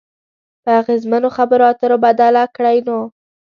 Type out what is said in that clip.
په اغیزمنو خبرو اترو بدله کړئ نو